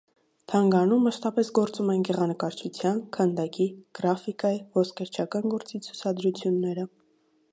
Թանգարանում մշտապես գործում են գեղանկարչության, քանդակի, գրաֆիկայի, ոսկերչական գործի ցուցադրությունները։